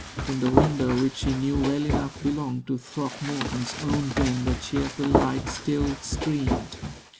From the window which she knew well enough belonged to Throckmorton's own den the cheerful light still streamed.